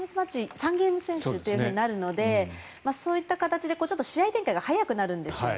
３ゲーム先取となるのでそういった形で試合展開が速くなるんですよね。